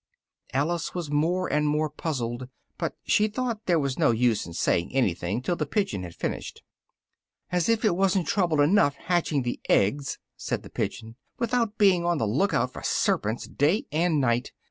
Alice was more and more puzzled, but she thought there was no use in saying anything till the pigeon had finished. "As if it wasn't trouble enough hatching the eggs!" said the pigeon, "without being on the look out for serpents, day and night!